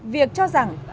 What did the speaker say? việc cho rằng